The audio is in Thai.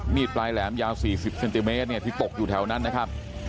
มีดปลายแหลมยาว๔๐เซนติเมตรที่ตกอยู่แถวนั้นนะครับ